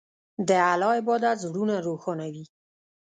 د الله عبادت زړونه روښانوي.